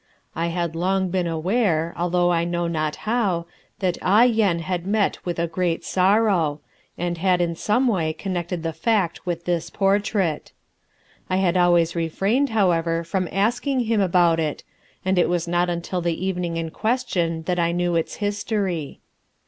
I had long been aware, although I know not how, that Ah Yen had met with a great sorrow, and had in some way connected the fact with this portrait. I had always refrained, however, from asking him about it, and it was not until the evening in question that I knew its history.